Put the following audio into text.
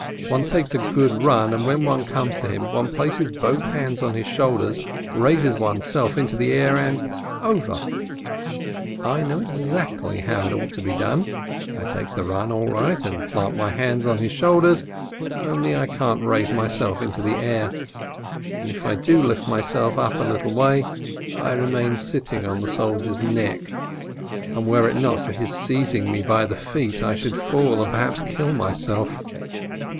One takes a good run, and when one comes to him, one places both hands on his shoulders, raises oneself into the air, and — over ! I know exactly how it ought to be done; I take the run all right, and plant my hands on his shoulders, only I can't raise myself into the air. And if I do lift myself up a little way, I remain sitting on the sol dier's neck, and were it not for his seizing me by the feet, I should fall, and perhaps kill myself.